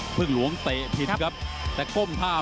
พึ่งหลวงเตะผิดครับแต่ก้มท่า